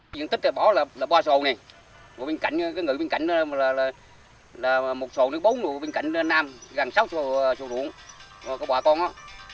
diện tích bỏ là ba xào này một xào nước bống một xào nước nam gần sáu xào ruộng và bỏ con đó